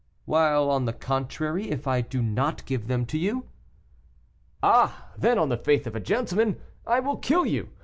"While, on the contrary, if I do not give them to you?" "Ah! then, on the faith of a gentleman, I will kill you!